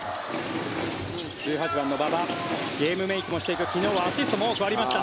１８番の馬場ゲームメイクもしていく昨日はアシストも多くありました。